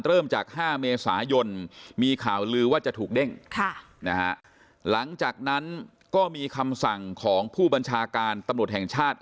เริ่มจาก๕เมษายนมีข่าวลือว่าจะถูกเด้งหลังจากนั้นก็มีคำสั่งของผู้บัญชาการตำรวจแห่งชาติ